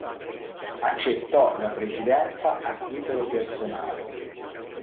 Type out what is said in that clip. Accettò la presidenza a titolo personale.